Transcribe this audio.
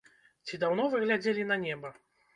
Ці даўно вы глядзелі на неба?